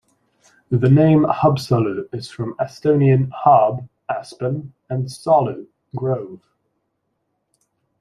The name "Haapsalu" is from Estonian "haab" 'aspen' and "salu" 'grove.